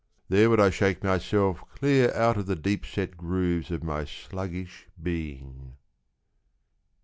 There would I shake myself clear Out of the deep set grooves Of my sluggish being.